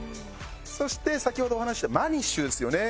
そして先ほどお話しした「マニッシュ」ですよね。